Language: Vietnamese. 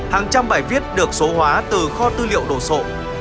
hàng trăm bài viết được số hóa từ kho tư liệu đồ sộ